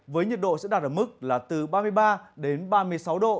với nhiệt độ sẽ đạt ở mức là từ ba mươi ba đến ba mươi sáu độ